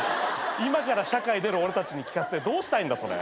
今から社会出る俺たちに聞かせてどうしたいんだそれ。